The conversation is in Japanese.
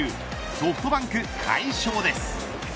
ソフトバンク、快勝です。